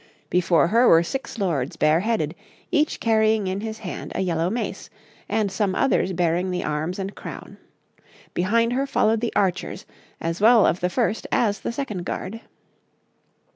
'Before her were six lords bareheaded, each carrying in his hand a yellow mace, and some others bearing the arms and crown. Behind her followed the archers, as well of the first as the second guard.